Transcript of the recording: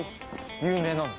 有名なの？